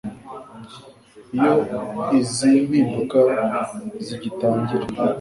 Iyo izi mpimduka zigitangira